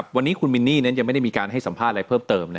วันนี้คุณมินนี่ยังไม่ได้มีการให้สัมภาษณ์อะไรเพิ่มเติม